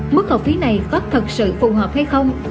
mức học phí này có thật sự phù hợp hay không